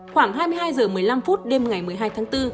khoảng hai mươi hai h một mươi năm phút đêm ngày một mươi hai tháng bốn